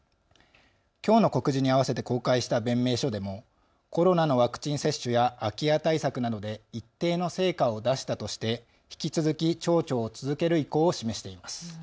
きょうの告示に合わせて公開した弁明書でもコロナのワクチン接種や空き家対策などで一定の成果を出したとして引き続き町長を続ける意向を示しています。